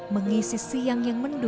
mengisi siang yang menarik